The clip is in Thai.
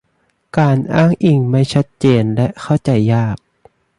การอ้างอิงไม่ชัดเจนและเข้าใจยาก